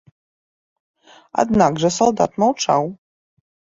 Аднак жа салдат маўчаў.